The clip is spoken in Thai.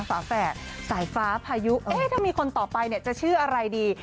ฝาแฝดสายฟ้าพายุเอ๊ะถ้ามีคนต่อไปเนี่ยจะชื่ออะไรดี